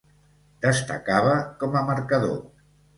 Destacava com a marcador.